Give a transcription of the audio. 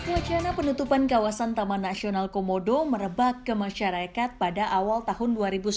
wacana penutupan kawasan taman nasional komodo merebak ke masyarakat pada awal tahun dua ribu sembilan belas